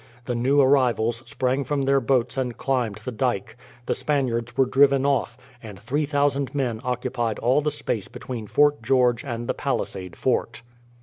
The new arrivals sprang from their boats and climbed the dyke. The Spaniards were driven off, and three thousand men occupied all the space between Fort George and the Palisade Fort.